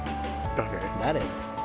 「誰？」